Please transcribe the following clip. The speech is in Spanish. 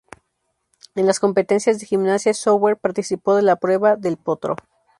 En las competencias de gimnasia, Sjöberg participó de la prueba del potro.